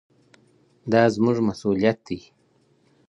دا زموږ مسووليت دی.